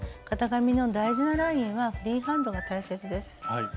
型紙の大事なラインはフリーハンドが大切です。